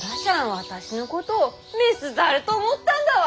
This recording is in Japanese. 私のことを雌猿と思ったんだわ！